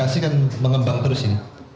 masih kan mengembang terus ini